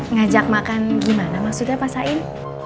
ngajak makan gimana maksudnya pak sain